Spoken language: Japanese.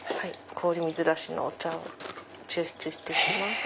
氷水出しのお茶を抽出していきます。